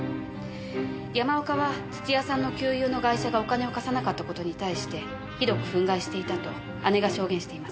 山岡は土屋さんの旧友のガイシャがお金を貸さなかった事に対してひどく憤慨していたと姉が証言しています。